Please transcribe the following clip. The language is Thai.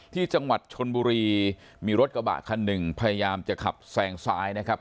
ที่จังหวัดชนบุรีมีรถกระบะคันหนึ่งพยายามจะขับแซงซ้ายนะครับ